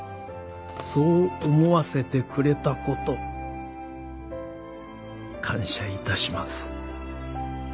「そう思わせてくれた事感謝いたします」